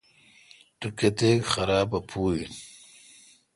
تو کتیک خراب ا پو این۔